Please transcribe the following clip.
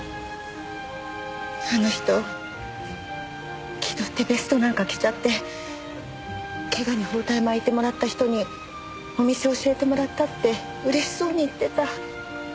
あの人気取ってベストなんか着ちゃって「怪我に包帯巻いてもらった人にお店教えてもらった」って嬉しそうに言ってた。